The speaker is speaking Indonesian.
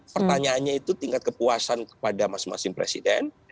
pertanyaannya itu tingkat kepuasan kepada masing masing presiden